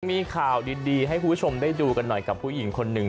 มีข่าวดีให้คุณผู้ชมได้ดูกันหน่อยกับผู้หญิงคนหนึ่ง